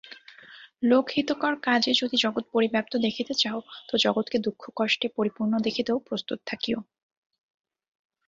লোকহিতকর কাজে যদি জগৎ পরিব্যাপ্ত দেখিতে চাও তো জগৎকে দুঃখকষ্টে পরিপূর্ণ দেখিতেও প্রস্তুত থাকিও।